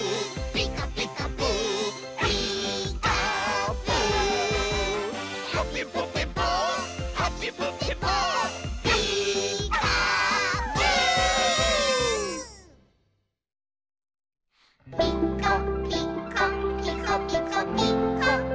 「ピコピコピコピコ」